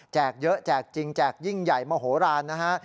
เยอะแจกจริงแจกยิ่งใหญ่มโหลานนะฮะ